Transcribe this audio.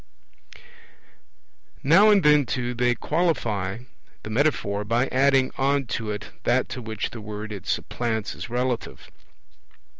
Now and then, too, they qualify the metaphor by adding on to it that to which the word it supplants is relative.